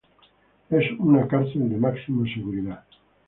Es una cárcel de máxima seguridad.